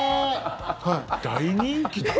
大人気だ。